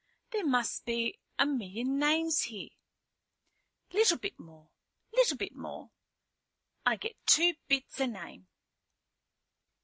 There must be a million names here." "Little bit more, little bit more. I get two bits a name."